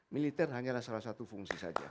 militer hanyalah salah satu fungsi saja